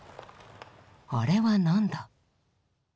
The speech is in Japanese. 「あれは何だ」。